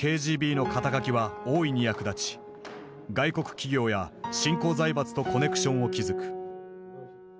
元ＫＧＢの肩書は大いに役立ち外国企業や新興財閥とコネクションを築く。